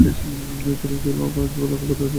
তিনি দোলন বুলাক বৌদ্ধবিহার স্থপন করেন।